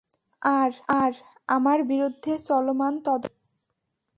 আর আমার বিরুদ্ধে চলমান তদন্ত?